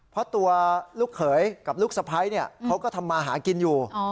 เพราะตัวลูกเขยกับลูกสะพ้ายเขาก็ทำมาหากินอยู่